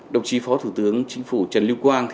đồng chí phó thủ tướng chính phủ trần lưu quang